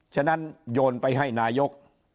ฉะนั้นโยนไปให้นายก